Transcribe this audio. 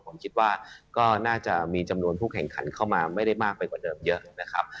ผมคิดว่าก็น่าจะมีจำนวนผู้แข่งขันเข้ามาไม่ได้มากไปกว่าเดิมเยอะนะครับ